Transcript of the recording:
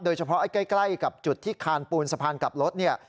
เฉพาะใกล้กับจุดที่คานปูนสะพานกลับรถเนี่ย